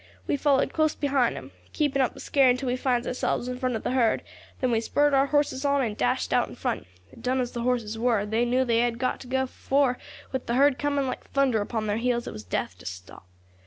We followed close behind them, keeping up the scare until we finds ourselves in front of the herd; then we spurred our horses on, and dashed out in front. Done as the horses were, they knew they had got to go, for, with the herd coming like thunder upon their heels, it was death to stop.